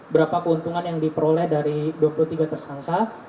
berapa keuntungan yang diperoleh dari dua puluh tiga tersangka